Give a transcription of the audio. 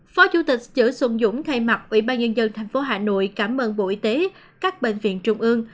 phó chủ tịch chữ xuân dũng thay mặt ubnd tp hà nội cảm ơn bộ y tế các bệnh viện trung ương